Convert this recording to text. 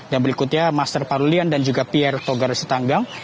dan berikutnya master parulian dan juga pierre togar sitanggang